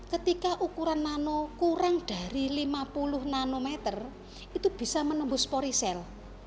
ketika ukuran nano kurang dari lima puluh nanometer itu bisa menembus porisel